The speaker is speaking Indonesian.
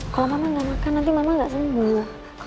kalau mama gak makan nanti mama gak sembuh